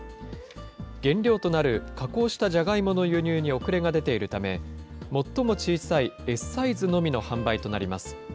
原料となる加工したジャガイモの輸入に遅れが出ているため、最も小さいＳサイズのみの販売となります。